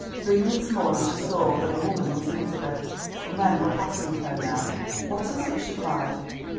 Three minutes more and she saw that the woman was Elizabeth. The men were passing her now. "What is it?" she cried.